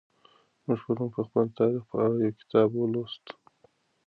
موږ پرون د خپل تاریخ په اړه یو کتاب ولوست.